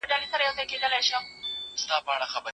هغه کینه ګر سړی هېڅکله نورو ته بخښنه نه کوي.